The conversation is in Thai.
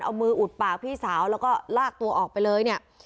เอามืออุดปากพี่สาวแล้วก็ลากตัวออกไปเลยเนี่ย